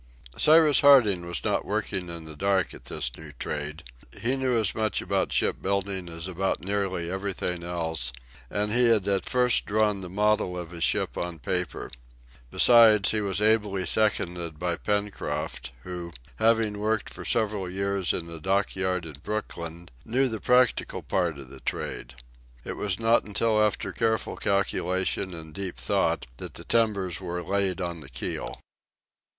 Cyrus Harding was not working in the dark at this new trade. He knew as much about ship building as about nearly everything else, and he had at first drawn the model of his ship on paper. Besides, he was ably seconded by Pencroft, who, having worked for several years in a dockyard in Brooklyn, knew the practical part of the trade. It was not until after careful calculation and deep thought that the timbers were laid on the keel.